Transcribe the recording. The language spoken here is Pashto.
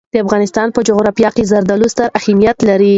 د افغانستان جغرافیه کې زردالو ستر اهمیت لري.